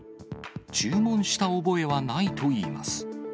注文した覚えはないといいます。